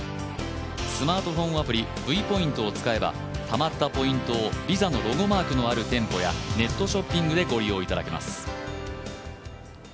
スマートフォンアプリＶポイントを使えば溜まったポイントをＶＩＳＡのロゴマークのある店舗やネットショッピングでご利用いただけます。